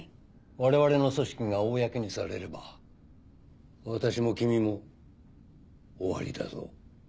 我々の組織が公にされれば私も君も終わりだぞ。